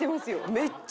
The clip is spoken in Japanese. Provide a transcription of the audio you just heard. めっちゃ。